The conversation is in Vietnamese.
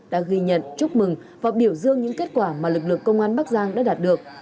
đã ghi nhận chúc mừng và biểu dương những kết quả mà lực lượng công an bắc giang đã đạt được